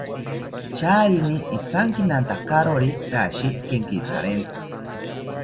Charini ijankinatakawori rashi kenkitharentzi